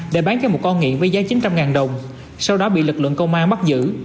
để bán cho một con nghiện với giá chín trăm linh đồng sau đó bị lực lượng công an bắt giữ